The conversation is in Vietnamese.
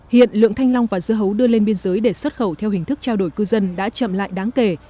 hiện lượng thanh long và dưa hấu đưa lên biên giới để xuất khẩu theo hình thức trao đổi cư dân đã chậm lại đáng kể